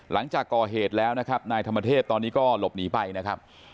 หลังจากก่อเหตุแล้วนะครับนายธรรมเทพตอนนี้ก็หลบหนีไปนะครับ